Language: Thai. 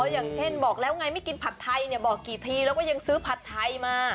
อย่างเช่นบอกแล้วไงไม่กินผัดไทยเนี่ยบอกกี่ทีแล้วก็ยังซื้อผัดไทยมา